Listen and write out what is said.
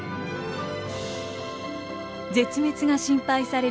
絶滅が心配される